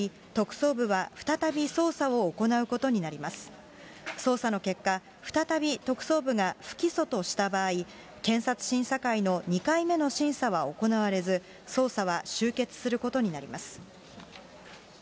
捜査の結果、再び特捜部が不起訴とした場合、検察審査会の２回目の審査は行われず、捜査は終結することになります。